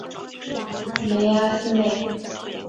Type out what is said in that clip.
梅阿斯内。